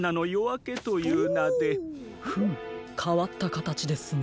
フムかわったかたちですね。